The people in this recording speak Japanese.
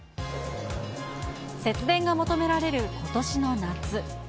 節電が求められることしの夏。